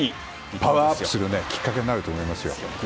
パワーアップするきっかけになると思いますよ。